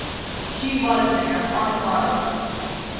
She was there on the morrow.